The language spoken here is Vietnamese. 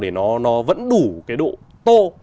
để nó vẫn đủ cái độ tô